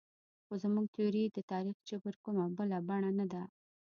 خو زموږ تیوري د تاریخ جبر کومه بله بڼه نه ده.